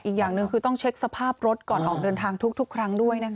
อีกอย่างหนึ่งคือต้องเช็คสภาพรถก่อนออกเดินทางทุกครั้งด้วยนะคะ